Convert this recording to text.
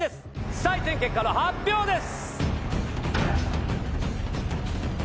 採点結果の発表です！